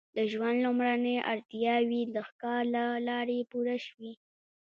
د ژوند لومړنۍ اړتیاوې د ښکار له لارې پوره شوې.